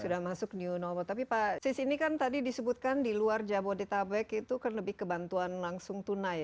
sudah masuk new normal tapi pak sis ini kan tadi disebutkan di luar jabodetabek itu kan lebih kebantuan langsung tunai